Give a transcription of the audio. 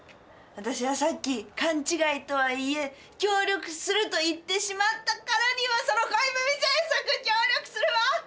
私はさっき勘違いとはいえ協力すると言ってしまったからにはその恋文制作協力するわ！